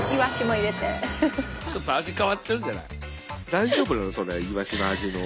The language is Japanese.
大丈夫なのそれはイワシの味の。